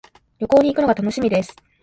旅行に行くのが楽しみです。